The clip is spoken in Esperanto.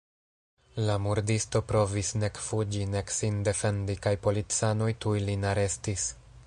La murdisto provis nek fuĝi nek sin defendi kaj policanoj tuj lin arestis.